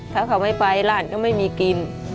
ถ้าเขาไม่ไปหลานก็ไม่มีกิน